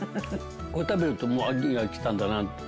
これを食べるともう秋が来たんだなって。